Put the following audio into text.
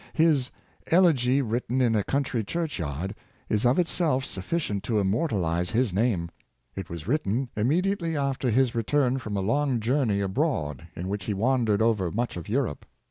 His " Elegy, written in a country church vard," is of itself sufficient to immortalize his name. It was written immediately after his return from a long journey abroad, in which he wandered over much of Europe.